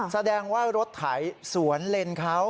แสดงว่ารถไถสวนเลนเขา